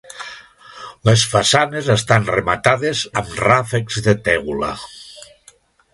Les façanes estan rematades amb ràfecs de teula.